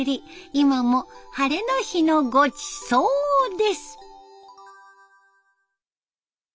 今もハレの日のごちそうです。